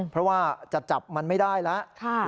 เพราะว่าจะจับมันไม่ได้แล้ว